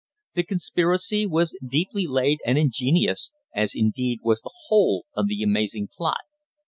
The conspiracy was deeply laid and ingenious, as indeed was the whole of the amazing plot.